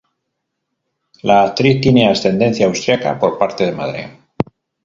La actriz tiene ascendencia austriaca por parte de madre.